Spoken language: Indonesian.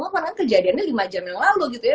karena kan kejadiannya lima jam yang lalu gitu ya